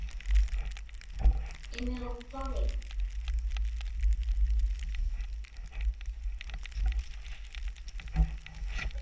Imiġukpagik?